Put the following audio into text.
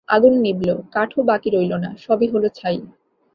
আগুন নিবল, কাঠও বাকি রইল না, সবই হল ছাই।